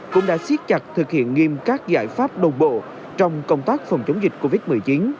cũng đã xiết chặt thực hiện nghiêm các giải pháp đồng bộ trong công tác phòng chống dịch covid một mươi chín